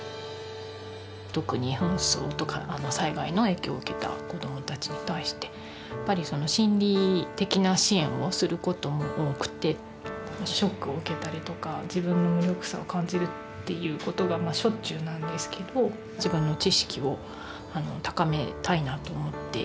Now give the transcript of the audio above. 特に紛争とか災害の影響を受けた子どもたちに対してやっぱりその心理的な支援をする事も多くてショックを受けたりとか自分の無力さを感じるっていう事がしょっちゅうなんですけど自分の知識を高めたいなと思って。